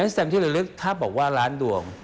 แซมที่ระลึกถ้าบอกว่าล้านดวง